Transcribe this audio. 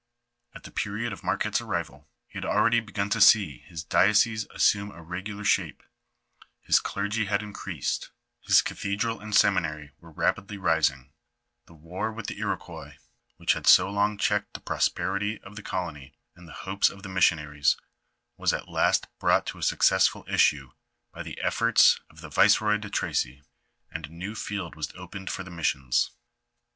At the period of Marquette's arrival, he had already begun to see his diocese assume a regular shape, his clergy had increased, his * Jour. Sup. Jml r fi I'* h 1 Hi ■'i\ I D:!l <i 'ill lillllll I i :ii xliy LIFE OF TATHEB MABQUETTK. cathedral and seminary were rapidly rising. The war with the Iroquois which had so long checked the prosperity of the colony, and the hopes of the missionaries, was at last brought to a successful issue by the efforts of the viceroy de Tracy, and a new field was opened for the missions.